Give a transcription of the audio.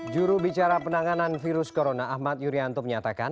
juru bicara penanganan virus corona ahmad yuryanto menyatakan